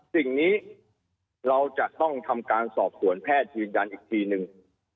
สิ่งนี้เราจะต้องทำการสอบสวนแพทย์ยืนยันอีกทีนึง